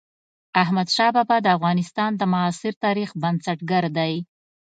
احمد شاه بابا د افغانستان د معاصر تاريخ بنسټ ګر دئ.